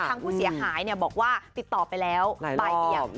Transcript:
ทางผู้เสียหายบอกว่าติดต่อไปแล้วบ่ายเบียง